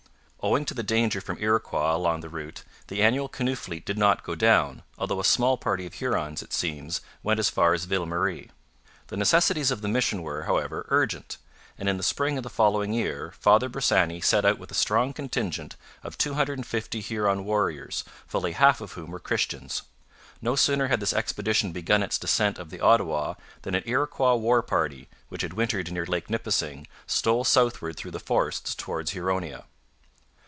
Owing to the danger from Iroquois along the route, the annual canoe fleet did not go down, although a small party of Hurons, it seems, went as far as Ville Marie. The necessities of the mission were, however, urgent, and in the spring of the following year Father Bressani set out with a strong contingent of two hundred and fifty Huron warriors, fully half of whom were Christians. No sooner had this expedition begun its descent of the Ottawa than an Iroquois war party, which had wintered near Lake Nipissing, stole southward through the forests towards Huronia.